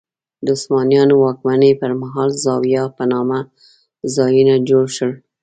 د عثمانیانو واکمنۍ پر مهال زوايا په نامه ځایونه جوړ شول.